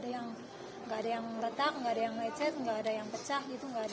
gak ada yang retak lecet kecah